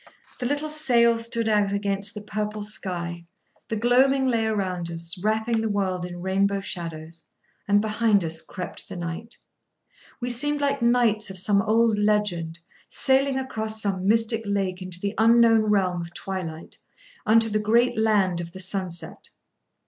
The little sail stood out against the purple sky, the gloaming lay around us, wrapping the world in rainbow shadows; and, behind us, crept the night. We seemed like knights of some old legend, sailing across some mystic lake into the unknown realm of twilight, unto the great land of the sunset.